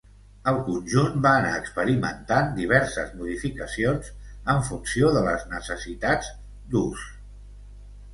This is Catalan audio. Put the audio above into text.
El conjunt va anar experimentant diverses modificacions en funció de les necessitats d'ús.